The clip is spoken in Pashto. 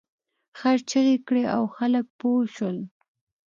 خر چیغې کړې او خلک پوه شول.